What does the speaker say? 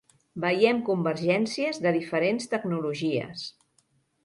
Veiem convergències de diferents tecnologies.